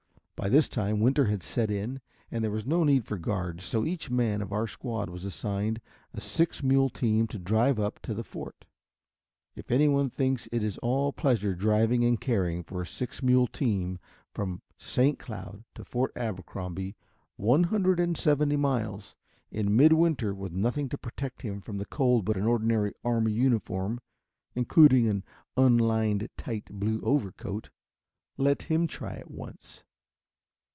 By this time winter had set in and there was no need for guards, so each man of our squad was assigned a six mule team to drive up to the fort. If anyone thinks it is all pleasure driving and caring for a six mule team from St. Cloud to Fort Abercrombie, one hundred and seventy miles, in midwinter, with nothing to protect him from the cold but an ordinary army uniform, including an unlined tight blue overcoat, let him try it once.